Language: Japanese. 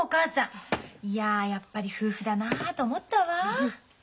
いややっぱり夫婦だなと思ったわ。